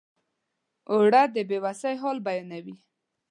اوړه د بې وسۍ حال بیانوي